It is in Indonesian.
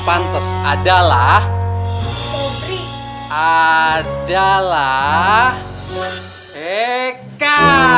adalah adalah heka